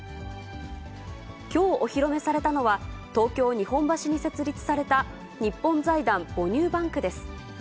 きょうお披露目されたのは、東京・日本橋に設立された日本財団母乳バンクです。